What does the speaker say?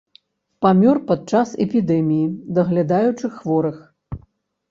Памёр пад час эпідэміі, даглядаючы хворых.